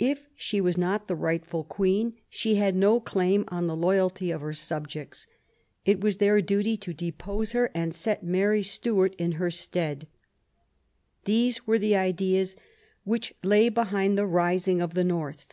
If she was not the rightful Queen, she had no claim on the loyalty of her subjects ; it was their duty to depose her and set Mary Stuart in her stead. These were the ideas which lay behind the rising of the north.